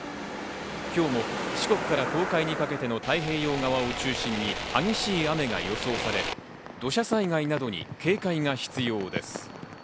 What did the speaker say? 今日も四国から東海にかけての太平洋側を中心に激しい雨が予想され、土砂災害などに警戒が必要です。